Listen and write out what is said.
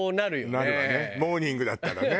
なるわねモーニングだったらね。